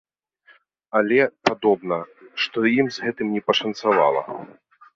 Але, падобна, што ім з гэтым не пашанцавала.